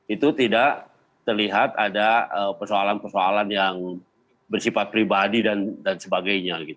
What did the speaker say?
itu tidak terlihat ada persoalan persoalan yang bersifat pribadi dan sebagainya